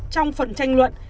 trong phần tranh luận